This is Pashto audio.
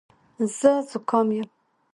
زه زکام یم.